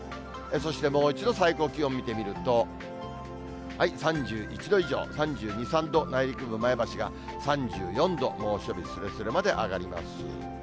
そして、もう一度、最高気温、見てみると、３１度以上、３２、３度、内陸部、前橋が３４度、猛暑日すれすれまで上がります。